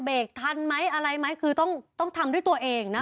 เบรกทันไหมอะไรไหมคือต้องทำด้วยตัวเองนะคะ